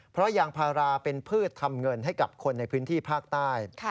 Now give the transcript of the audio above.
เพราะยางพาราเป็นพืชทำเงินให้กับคนในพื้นที่ภาคใต้